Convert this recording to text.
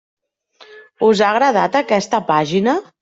Us ha agradat aquesta pàgina?